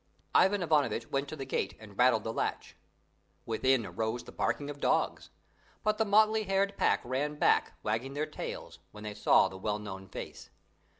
Ivan Ivanovitch went up to the gate and rattled the latch. Within arose the barking of dogs; but the motley haired pack ran back, wagging their tails when they saw the well known face.